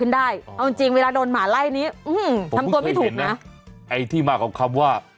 นี่ไงที่มาเห่าใช่ไหม